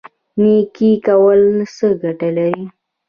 نیکي کول څه ګټه لري؟